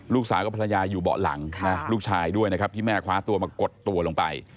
ลูกสาวกับภรรยาอยู่เบาะหลังลูกชายด้วยนะครับที่แม่คว้าตัวมากดตัวลงไป